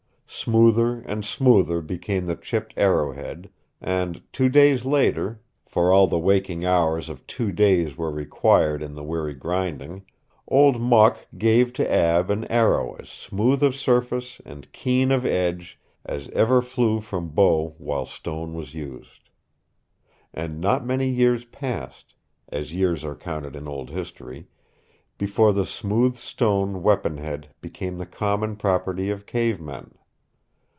Smoother and smoother became the chipped arrowhead, and two days later for all the waking hours of two days were required in the weary grinding Old Mok gave to Ab an arrow as smooth of surface and keen of edge as ever flew from bow while stone was used. And not many years passed as years are counted in old history before the smoothed stone weaponhead became the common property of cave men.